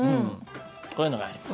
こういうのがあります。